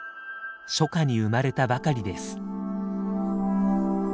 初夏に生まれたばかりです。